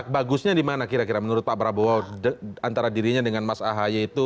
bagusnya di mana kira kira menurut pak prabowo antara dirinya dengan mas ahaye itu